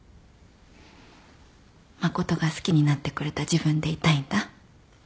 誠が好きになってくれた自分でいたいんだ。